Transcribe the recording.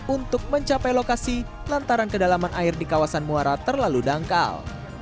untuk mencapai lokasi lantaran kedalaman air di kawasan muara terlalu dangkal